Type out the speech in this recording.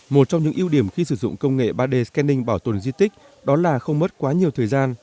một trong những ưu điểm khi sử dụng công nghệ ba d scanning bảo tồn di tích đó là không mất quá nhiều thời gian